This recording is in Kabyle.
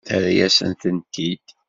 Terra-yasen-tent-id?